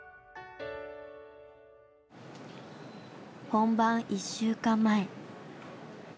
本番１週間前。